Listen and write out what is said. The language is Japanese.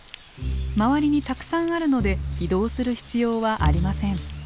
周りにたくさんあるので移動する必要はありません。